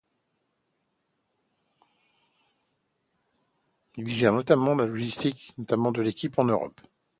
Il y gère notamment la logistique de l'équipe en Europe.